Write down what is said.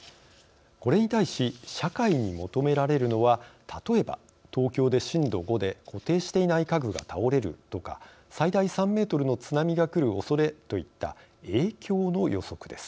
これに対し社会に求められるのは例えば「東京で震度５」で「固定していない家具が倒れる」とか「最大３メートルの津波が来るおそれ」といった「影響」の予測です。